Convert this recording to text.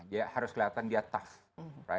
dia harus kelihatan dia tough